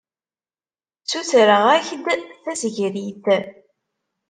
Ssutreɣ-ak-d tasegrit.